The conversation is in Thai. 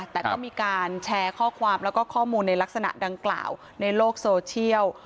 แต่ก็มีการแชร์ข้อความแล้วก็ข้อมูลในลักษณะดังกล่าวในโลกโซเชียล